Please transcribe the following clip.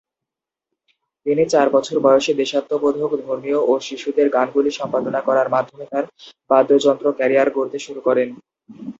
তিনি চার বছর বয়সে দেশাত্মবোধক, ধর্মীয় ও শিশুদের গানগুলি সম্পাদন করার মাধ্যমে তার বাদ্যযন্ত্র ক্যারিয়ার শুরু করেন।